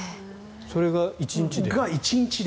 それが１日で？